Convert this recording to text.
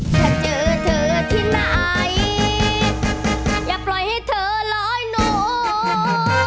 ถ้าเจอเธอที่ไหนอย่าปล่อยให้เธอลอยหนู